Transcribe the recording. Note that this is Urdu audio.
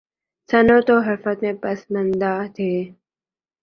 صنعت و حرفت میں پسماندہ تھے